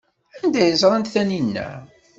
Anda ay ẓrant Taninna?